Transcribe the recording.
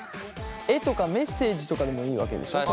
絵とかメッセージとかでもいいわけでしょ。